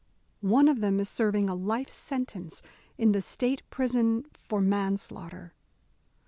One of them is serving a life sentence in the State prison for manslaughter.